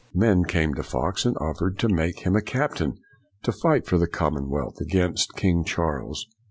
Men came to Fox and offered to make him a captain to fight for the Common wealth against King Charles.